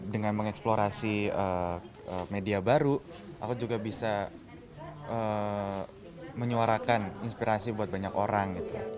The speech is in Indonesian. dengan mengeksplorasi media baru aku juga bisa menyuarakan inspirasi buat banyak orang